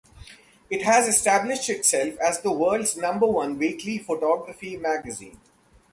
It has established itself as the world's number one weekly photography magazine.